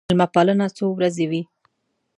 مېلمه پالنه څو ورځې وي.